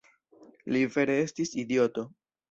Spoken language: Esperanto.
Li vere estis idioto!